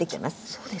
そうですか。